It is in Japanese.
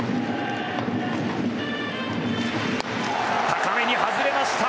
高めに外れました。